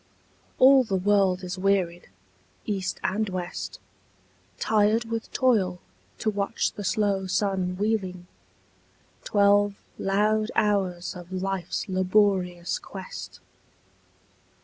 All the world is wearied, east and west, Tired with toil to watch the slow sun wheeling, Twelve loud hours of life's laborious quest.